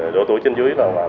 đối tượng là đàn nam thanh niên